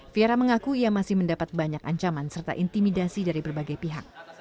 fira mengaku ia masih mendapat banyak ancaman serta intimidasi dari berbagai pihak